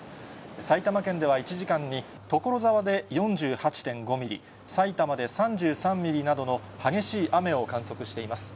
埼玉県では１時間に、所沢で４８．５ミリ、さいたまで３３ミリなどの激しい雨を観測しています。